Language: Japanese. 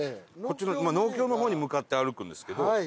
今農協の方に向かって歩くんですけど。